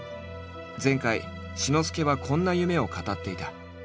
前回志の輔はこんな夢を語っていた。